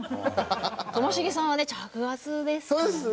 ともしげさんはね着圧ですからね。